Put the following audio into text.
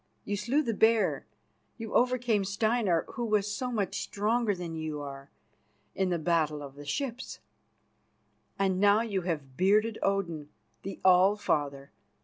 You slew the bear; you overcame Steinar, who was so much stronger than you are, in the battle of the ships; and now you have bearded Odin, the All father.